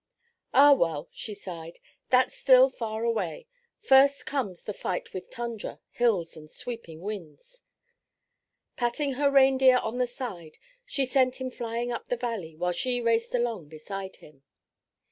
"Ah, well," she sighed, "that's still far away. First comes the fight with tundra, hills and sweeping winds." Patting her reindeer on the side, she sent him flying up the valley while she raced along beside him.